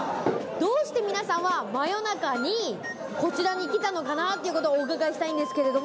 どうして皆さんは真夜中にこちらに来たのかなというのをお伺いしたいんですけれど。